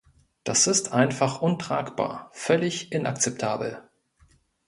Das ist einfach untragbar, völlig inakzeptabel.